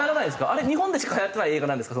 あれ日本でしかはやってない映画なんですか？